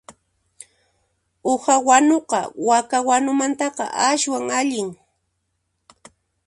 Uha wanuqa waka wanumanta aswan allin.